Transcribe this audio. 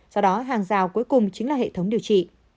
do đó hàng rào cuối cùng chính là hệ thống điều trị